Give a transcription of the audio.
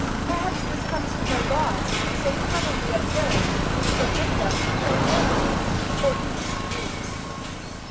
Perhaps this comes from their laws, so commonly observed, which forbid them to kill animals or eat meat.